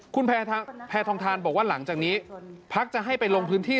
คุณแพทองทานบอกว่าหลังจากนี้พักจะให้ไปลงพื้นที่